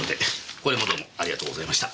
これもどうもありがとうございました。